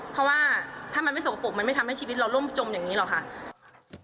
เพราะว่าถ้ามันไม่สกปรกมันไม่ทำให้ชีวิตเราร่มจมอย่างนี้หรอกค่ะ